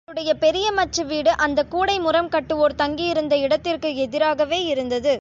அவர்களுடைய பெரிய மச்சு வீடு அந்தக் கூடை முறம் கட்டுவோர் தங்கியிருந்த இடத்திற்கு எதிராகவே இருந்தது.